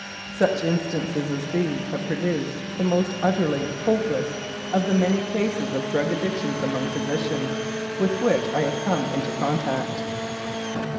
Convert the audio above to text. Such instances as these have produced the most utterly hopeless of the many cases of drug addictions among physicians with which I have come into contact.